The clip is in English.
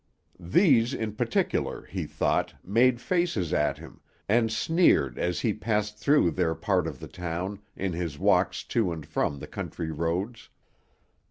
These in particular, he thought, made faces at him, and sneered as he passed through their part of the town in his walks to and from the country roads.